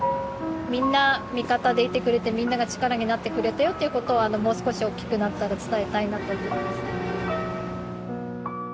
みんな味方でいてくれてみんなが力になってくれたよっていうことをもう少し大きくなったら伝えたいなと思いますね。